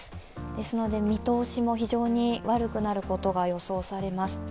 ですので見通しも非常に悪くなることが予想されます。